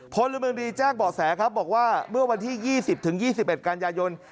พลเมืองดีแจ้งเบาะแสครับบอกว่าเมื่อวันที่๒๐๒๑กันยายน